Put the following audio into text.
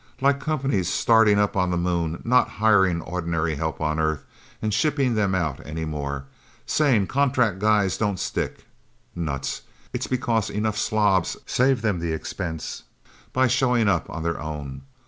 Like companies starting up on the Moon not hiring ordinary help on Earth and shipping them out, anymore saying contract guys don't stick. Nuts it's because enough slobs save them the expense by showing up on their own...